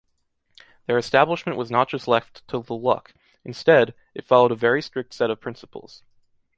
Their establishment was not just left to the luck, instead, it followed a very strict set of principles.